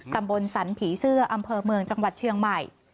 ตำบลสันผีเสื้ออำเภอเมืองจังหวัดเชียงใหม่